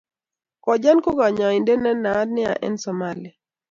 kojan ko kanyaindet ne naat nea en Somalia